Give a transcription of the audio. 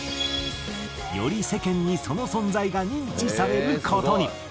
より世間にその存在が認知される事に。